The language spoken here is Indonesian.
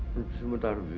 semua taruh ya